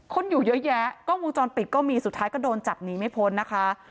คนอยู่เยอะแยะกล้องวงจรปิดก็มีสุดท้ายก็โดนจับหนีไม่พ้นนะคะ